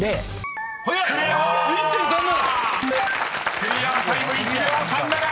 ［クリアタイム１秒３７！］